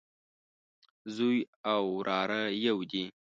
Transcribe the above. زوی او وراره يودي